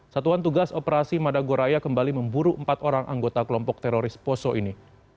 satuan tugas operasi madagoraya kembali memburu empat orang anggota kelompok teroris poso ini